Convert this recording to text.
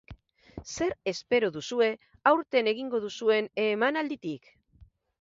Zer espero duzue aurten egingo duzuen emanalditik?